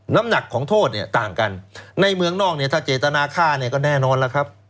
น้ำหนักของโทษเนี่ยต่างกันในเมืองนอกเนี่ยถ้าเจตนาฆ่าเนี่ยก็แน่นอนแล้วครับ